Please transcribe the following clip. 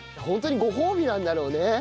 ホントにご褒美なんだろうね。